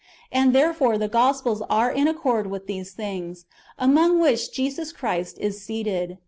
And there fore the Gospels are in accord with these things, among which Christ Jesus is seated.